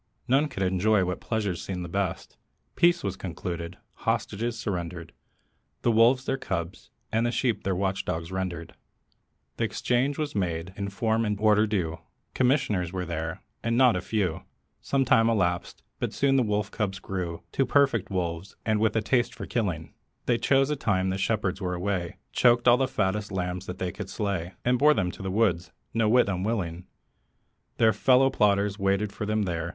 None could enjoy what pleasures seemed the best; Peace was concluded hostages surrendered. The Wolves their cubs, the Sheep their watch dogs rendered; [Illustration: THE WOLVES AND THE SHEEP.] Th' exchange was made in form and order due, Commissioners were there and not a few; Some time elapsed, but soon the Wolf cubs grew To perfect Wolves, and with a taste for killing; They chose a time the shepherds were away, Choked all the fattest lambs that they could slay, And bore them to the woods; no whit unwilling, Their fellow plotters waited for them there.